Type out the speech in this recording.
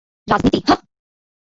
রাজনীতি, হাহ?